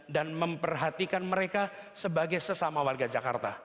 memperhatikan mereka sebagai sesama warga jakarta